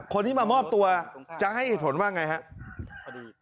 คนที่มามอบตัวจะให้เหตุผลว่าไงครับ